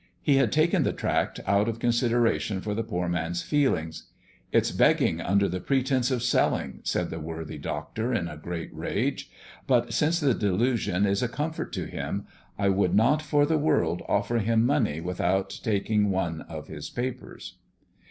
He had taken the tract out of consideration for the poor man's feelings. "It's begging under the pretence of selling," said the worthy Doctor in a great rage, "but [Illustration: THE SAUNTER IN HOLBORN. p. 22.] since the delusion is a comfort to him, I would not for the world offer him money without taking one of his papers!"